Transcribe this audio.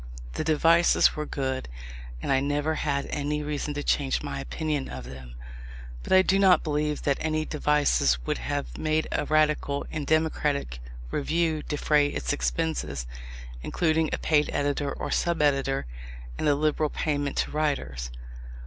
The devices were good, and I never had any reason to change my opinion of them. But I do not believe that any devices would have made a radical and democratic review defray its expenses, including a paid editor or sub editor, and a liberal payment to writers.